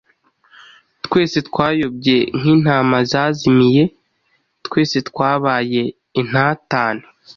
Twese twayobye nk’intama zazimiye, twese twabaye intatane;